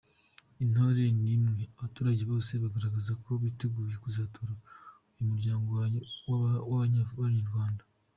Intero ni imwe, abaturage bose bagaragaza ko biteguye kuzatora uyu “muryango w’Abanyarwanda.’